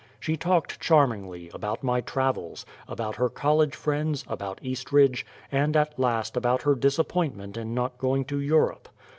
She talked charmingly: about my travels; about her college friends; about Eastridge; and at last about her disappointment in not going to Europe.